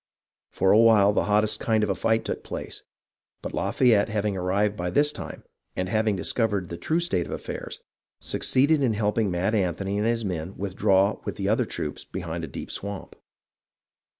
For a while the hottest kind ,of a fight took place, but Lafayette having arrived by this time and having discovered the true state of affairs, succeeded in helping Mad Anthony and his men withdraw with the other troops behind a deep swamp.